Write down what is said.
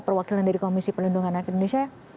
perwakilan dari komisi pelindungan anak indonesia